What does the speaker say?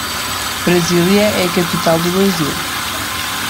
Brasília é a capital do Brasil.